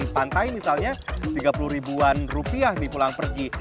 pantai misalnya rp tiga puluh di pulang pergi